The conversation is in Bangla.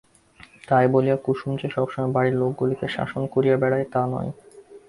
তাই বলিয়া কুসুম যে সবসময় বাড়ির লোকগুলিকে শাসন করিয়া বেড়ায়, তা নয়।